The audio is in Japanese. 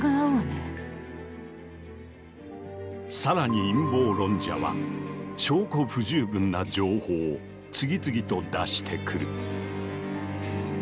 更に陰謀論者は証拠不十分な情報を次々と出してくる。